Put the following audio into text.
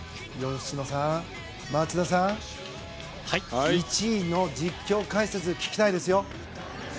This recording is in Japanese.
吉野さん、松田さん１位の実況・解説聞きたいですよ。